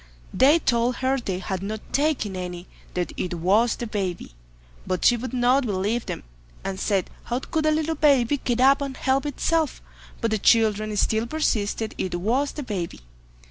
They told her they had not taken any—that it was the baby—but she would not believe them, and said, "How could a little baby get up and help itself"; but the children still persisted it was the baby.